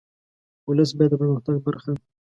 ولس باید د پرمختګ برخه وي.